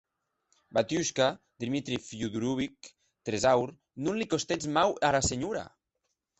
Batiushka, Dmitri Fiódorovich, tresaur, non li costètz mau ara senhora!